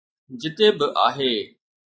جتي به آهي